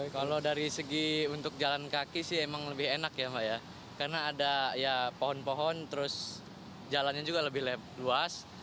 kalau dari segi untuk jalan kaki sih emang lebih enak ya mbak ya karena ada ya pohon pohon terus jalannya juga lebih luas